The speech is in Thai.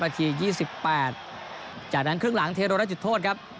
นาที๒๘จากนั้นครึ่งหลังเทโรได้จุดโทษครับ